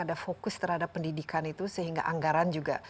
ada fokus terhadap pendidikan itu sehingga anggaran juga